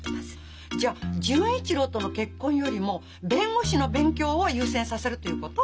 じゃあ純一郎との結婚よりも弁護士の勉強を優先させるっていうこと？